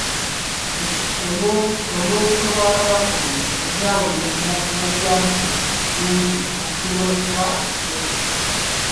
Olw'obuto bwa Kabaka ono, kojjaawe Najjantyo Ggunju, omukulu w'ekika ky'obutiko.